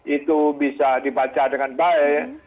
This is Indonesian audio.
itu bisa dibaca dengan baik